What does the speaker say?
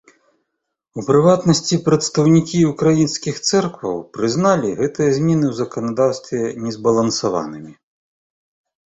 У прыватнасці, прадстаўнікі ўкраінскіх цэркваў прызналі гэтыя змены ў заканадаўстве незбалансаванымі.